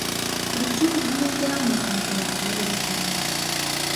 Прычым, не у пераносным сэнсе, як звычайна.